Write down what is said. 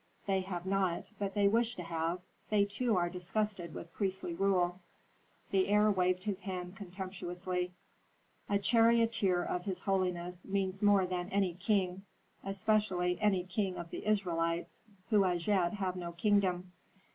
"They have not, but they wish to have. They, too, are disgusted with priestly rule." The heir waved his hand contemptuously. "A charioteer of his holiness means more than any king, especially any king of the Israelites, who as yet have no kingdom."